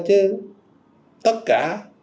chứ tất cả